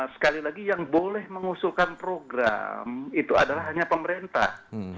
sekali lagi yang boleh mengusulkan program itu adalah hanya pemerintah